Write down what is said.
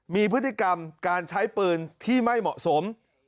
มีพฤติกรรมการใช้ปืนที่ไม่เหมาะสม